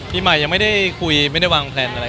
ไปไม่ได้คุยไม่ได้วางแผ่นอะไร